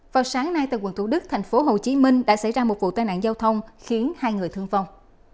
vào sáng nay tại quận thủ đức thành phố hồ chí minh đã xảy ra một vụ tai nạn giao thông khiến hai người thương vong